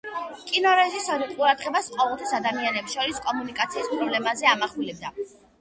კინორეჟისორი ყურადღებას ყოველთვის ადამიანებს შორის კომუნიკაციის პრობლემაზე ამახვილებდა.